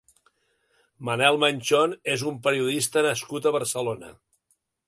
Manel Manchón és un periodista nascut a Barcelona.